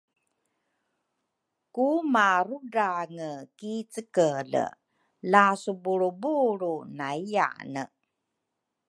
Ku marudrange ki cekele la subulrubulru nayyane